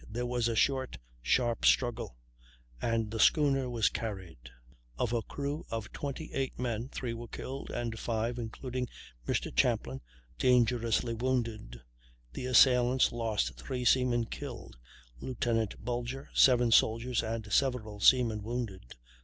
There was a short, sharp struggle, and the schooner was carried. Of her crew of 28 men, 3 were killed and five, including Mr. Champlin, dangerously wounded. The assailants lost three seamen killed, Lieutenant Bulger, seven soldiers and several seamen wounded.